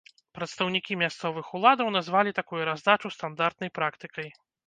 Прадстаўнікі мясцовых уладаў назвалі такую раздачу стандартнай практыкай.